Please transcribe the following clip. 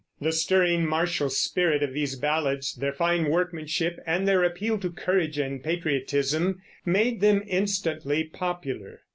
The stirring martial spirit of these ballads, their fine workmanship, and their appeal to courage and patriotism made them instantly popular.